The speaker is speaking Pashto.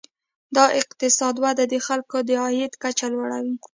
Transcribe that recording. د اقتصاد وده د خلکو د عاید کچه لوړوي.